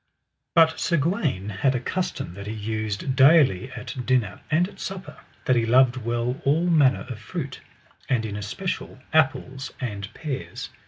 But Sir Gawaine had a custom that he used daily at dinner and at supper, that he loved well all manner of fruit, and in especial apples and pears.